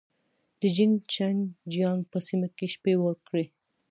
د جين چنګ جيانګ په سیمه کې شپې وکړې.